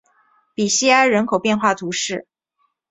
比西埃人口变化图示